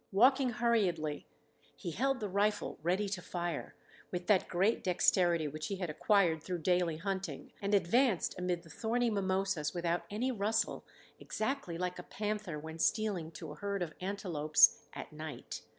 Walking hurriedly, he held the rifle ready to fire, with that great dexterity which he had acquired through daily hunting, and advanced amid the thorny mimosas without any rustle, exactly like a panther when stealing to a herd of antelopes at night.